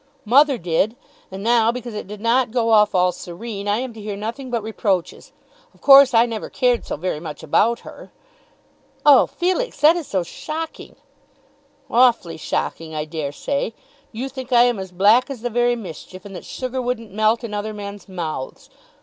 "Mother did. And now because it did not go off all serene, I am to hear nothing but reproaches. Of course I never cared so very much about her." "Oh, Felix, that is so shocking!" "Awfully shocking I dare say. You think I am as black as the very mischief, and that sugar wouldn't melt in other men's mouths.